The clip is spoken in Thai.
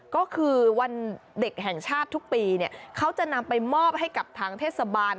ก็คือวันเด็กแห่งชาติทุกปีเขาจะนำไปมอบให้กับทางเทศบาล